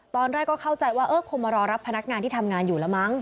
ตอนแรกก็เข้าใจว่าเออคงมารอรับพนักงานที่ทำงานอยู่แล้วมั้ง